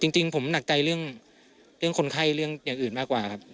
จริงผมหนักใจเรื่องคนไข้เรื่องอย่างอื่นมากกว่าครับ